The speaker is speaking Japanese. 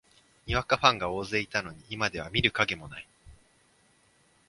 にわかファンが大勢いたのに、今では見る影もない